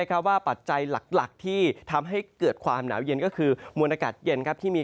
หล่อปวดชักใจ